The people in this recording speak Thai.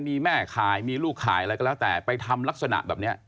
มีแม่ขายมีลูกขายอะไรก็แล้วแต่ไปทำลักษณะแบบนี้